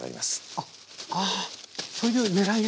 あっあそういうねらいが！